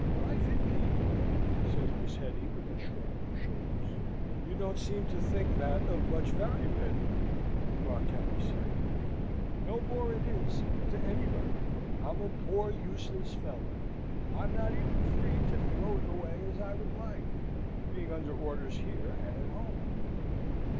"Life indeed!" says Miss Hetty, with a shrug of her shoulders. "You don't seem to think that of much value, Hetty," remarked Harry, sadly. "No more it is to anybody. I'm a poor useless fellow. I'm not even free to throw it away as I would like, being under orders here and at home."